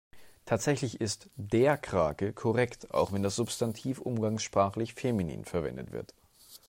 Tatsächlich ist der Krake korrekt, auch wenn das Substantiv umgangssprachlich feminin verwendet wird.